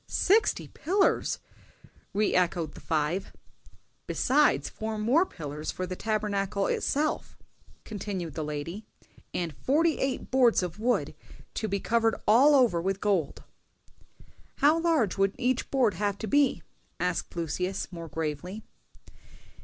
"Sixty pillars!" re echoed the five. "Besides four more pillars for the Tabernacle itself," continued the lady, "and forty eight boards of wood, to be covered all over with gold." "How large would each board have to be?" asked Lucius, more gravely.